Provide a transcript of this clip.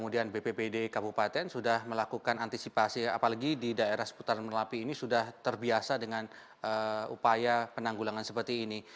dan bppd kabupaten sudah melakukan antisipasi apalagi di daerah seputar merapi ini sudah terbiasa dengan upaya penanggulangan seperti ini